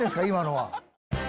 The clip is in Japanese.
今のは。